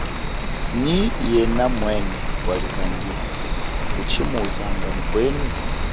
Nyi yena mwene walizangile, kuchi muzanga mukwenu?